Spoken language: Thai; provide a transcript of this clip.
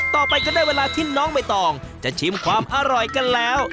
ต่อไปก็ได้เวลาที่น้องใบตองจะชิมความอร่อยกันแล้ว